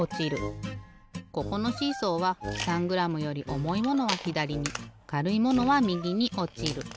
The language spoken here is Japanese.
ここのシーソーは３グラムより重いものはひだりにかるいものはみぎにおちる。